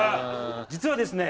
実はですね